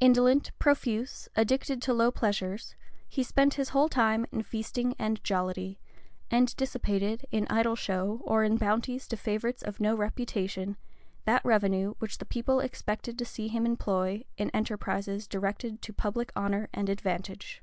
Indolent, profuse, addicted to low pleasures, he spent his whole time in feasting and jollity, and dissipated, in idle show, or in bounties to favorites of no reputation, that revenue which the people expected to see him employ in enterprises directed to public honor and advantage.